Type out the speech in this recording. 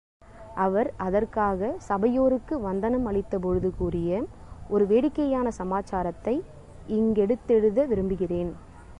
அவர் அதற்காக சபையோருக்கு வந்தனம் அளித்த பொழுது கூறிய ஒரு வேடிக்கையான சமாச்சாரத்தை இங்கெடுத்தெழுத விரும்புகிறேன்.